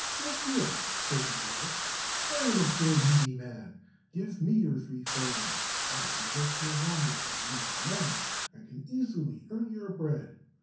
"Look here," said the dwarf, "I am a poor needy man, give me your three farthings; I can work no longer, but you are young, and can easily earn your bread."